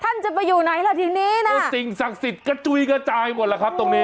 ท่านจะไปอยู่ไหนล่ะทีนี้นะสิ่งศักดิ์สิทธิ์กระจุยกระจายหมดล่ะครับตรงนี้